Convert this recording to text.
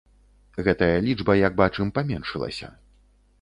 Гэтая лічба, як бачым, паменшылася.